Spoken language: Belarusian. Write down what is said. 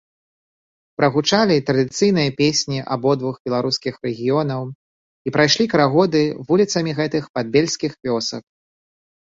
Прагучалі традыцыйныя песні абодвух беларускіх рэгіёнаў, і прайшлі карагоды вуліцамі гэтых падбельскіх вёсак.